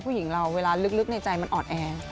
ผู้หญิงเราเวลาลึกในใจมันอ่อนแอ